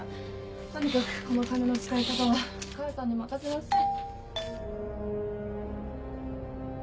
とにかくこの金の使い方は母さんに任せなさい。